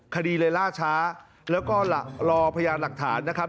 คดีเลยล่าช้าแล้วก็รอพยานหลักฐานนะครับ